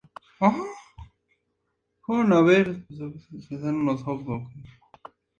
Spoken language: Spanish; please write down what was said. En el suelo de la capilla existen dos losas sepulcrales.